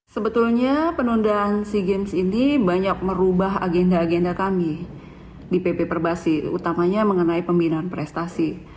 sebetulnya penundaan sea games ini banyak merubah agenda agenda kami di pp perbasi utamanya mengenai pembinaan prestasi